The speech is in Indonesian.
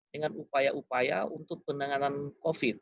dengan upaya upaya untuk penanganan covid sembilan belas